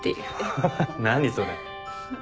ハハハ何それ。